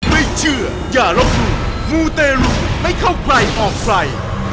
ไม่เชื่ออย่าล้อมรูมูเตรลุให้เข้าไกลออกไฟ